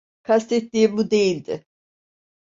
Kastettiğim bu değildi.